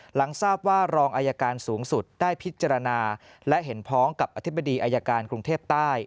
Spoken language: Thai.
หลังทราบว่ารองอายการสูงสุดได้พิจารณาและเห็นพ้องกับอธิบดีอายการกรุงเทพใต้